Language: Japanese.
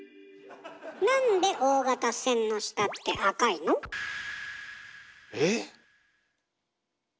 なんで大型船の下って赤いの？え？